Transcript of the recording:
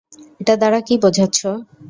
এটা দ্বারা কী বোঝাচ্ছে?